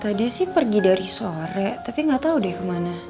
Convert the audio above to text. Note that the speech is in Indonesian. tadi sih pergi dari sore tapi nggak tahu deh kemana